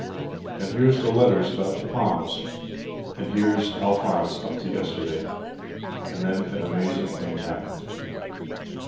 "And here's the letters about the palms, and here's Alphonse up to yesterday " And then an amazing thing happened.